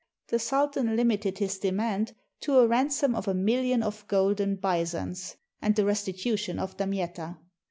The sultan limited his demand to a ransom of a million of golden byzants, and the restitution of Damietta.